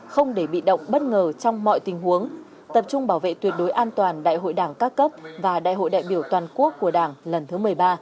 không để bị động bất ngờ trong mọi tình huống tập trung bảo vệ tuyệt đối an toàn đại hội đảng các cấp và đại hội đại biểu toàn quốc của đảng lần thứ một mươi ba